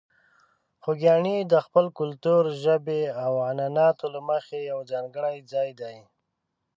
خوږیاڼي د خپل کلتور، ژبې او عنعناتو له مخې یو ځانګړی ځای دی.